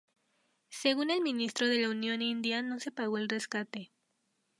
Según el ministro de la Unión India, no se pagó rescate.